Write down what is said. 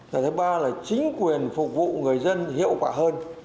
và thứ ba là chính quyền phục vụ người dân hiệu quả hơn